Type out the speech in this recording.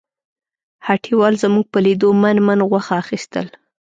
هټیوال زموږ په لیدو من من غوښه اخیستل.